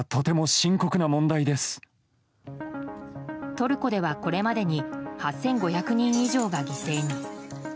トルコではこれまでに８５００人以上が犠牲に。